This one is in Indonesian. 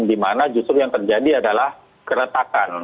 di mana justru yang terjadi adalah keretakan